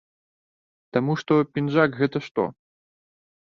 Таму што пінжак гэта што?